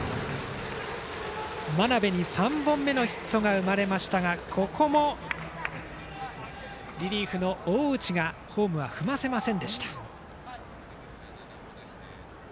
真鍋に３本目のヒットが生まれましたがここもリリーフの大内がホームは踏ませませんでした。